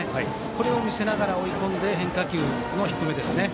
これを見せながら、追い込んで変化球の低めですね。